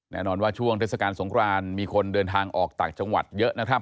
แน่นอนว่าช่วงเทศกาลสงครานมีคนเดินทางออกต่างจังหวัดเยอะนะครับ